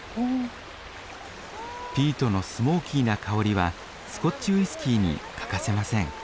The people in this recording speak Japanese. ピートのスモーキーな香りはスコッチウイスキーに欠かせません。